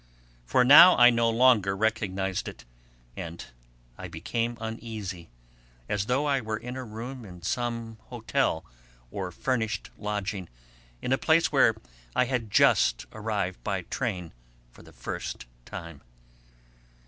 For now I no longer recognised it, and I became uneasy, as though I were in a room in some hotel or furnished lodging, in a place where I had just arrived, by train, for the first time.